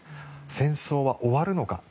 戦争は終わるのか。